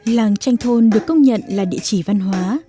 làng tranh thôn được công nhận là địa chỉ văn hóa